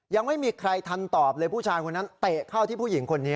ยังไม่มีใครทันตอบเลยผู้ชายคนนั้นเตะเข้าที่ผู้หญิงคนนี้